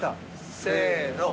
せの。